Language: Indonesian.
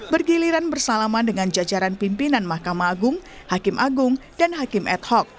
bergiliran bersalaman dengan jajaran pimpinan mahkamah agung hakim agung dan hakim ad hoc